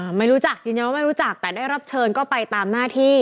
ไม่รู้จักยืนยันว่าไม่รู้จักแต่ได้รับเชิญก็ไปตามหน้าที่